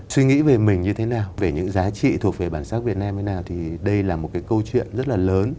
suy nghĩ về mình như thế nào về những giá trị thuộc về bản sắc việt nam như thế nào thì đây là một cái câu chuyện rất là lớn